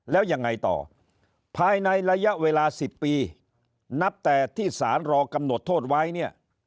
แล้วยังไงต่อภายในระยะเวลา๑๐ปีนับแต่ที่สารรอกำหนดโทษไว้เนี่ย